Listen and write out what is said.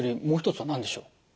もう一つは何でしょう？